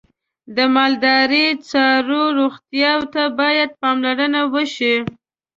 د مالدارۍ څاروی روغتیا ته باید پاملرنه وشي.